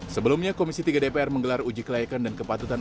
sebelumnya komisi tiga dpr menggelar uji kelayakan dan kepatutan